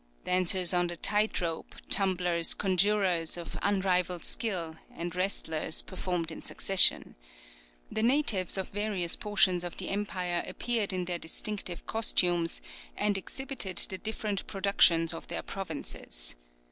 Dancers on the tight rope, tumblers, conjurors (of unrivalled skill), and wrestlers, performed in succession. The natives of various portions of the empire appeared in their distinctive costumes and exhibited the different productions of their provinces.